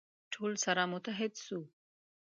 ټول سره متحد سو.